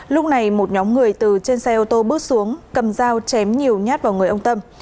lúc này một nhóm người từ trên xe ô tô bước xuống cầm dao chém nhiều nhát vào người ông tâm